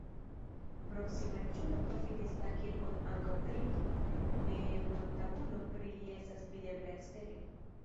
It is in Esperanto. Proksima riĉulo profitis la kirkon ankaŭ kripto, memortabulo pri li estas videbla ekstere.